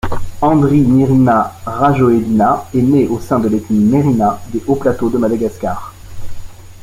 Andry Nirina Rajoelina est né au sein de l'ethnie merina des Hauts-Plateaux de Madagascar.